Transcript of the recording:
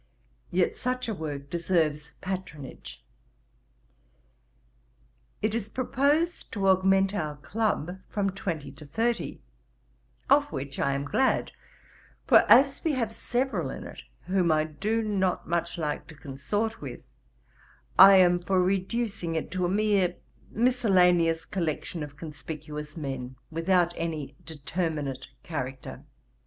Yet such a work deserves patronage. 'It is proposed to augment our club from twenty to thirty, of which I am glad; for as we have several in it whom I do not much like to consort with, I am for reducing it to a mere miscellaneous collection of conspicuous men, without any determinate character.